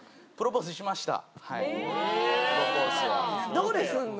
どこでするの？